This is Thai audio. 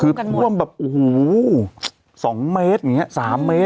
คือท่วมแบบโอ้โห๒เมตรอย่างนี้๓เมตร